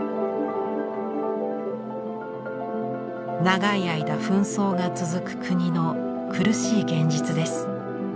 長い間紛争が続く国の苦しい現実です。